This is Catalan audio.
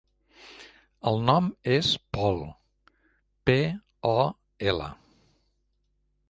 El nom és Pol: pe, o, ela.